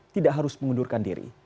tidak harus mengundurkan diri